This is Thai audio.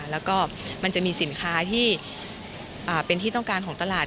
แล้วก็มันจะมีสินค้าที่เป็นที่ต้องการของตลาด